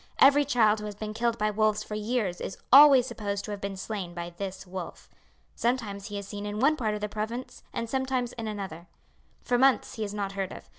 Every child who has been killed by wolves for years is always supposed to have been slain by this wolf. Sometimes he is seen in one part of the province, and sometimes in another. "For months he is not heard of.